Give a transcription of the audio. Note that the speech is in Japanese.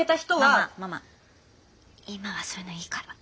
ママママ今はそういうのいいから。